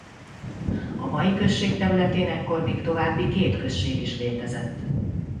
A mai község területén ekkor még további két község is létezett.